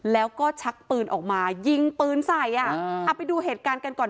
แล้วก็ชักปืนออกมายิงปืนใส่อ่ะเอาไปดูเหตุการณ์กันก่อน